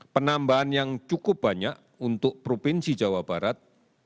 penambahan yang cukup banyak untuk provinsi jawa barat